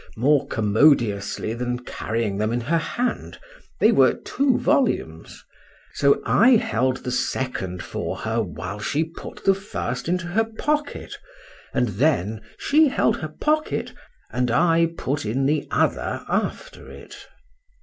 more commodiously than carrying them in her hand—they were two volumes: so I held the second for her whilst she put the first into her pocket; and then she held her pocket, and I put in the other after it.